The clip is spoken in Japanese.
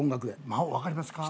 『魔王』分かりますか？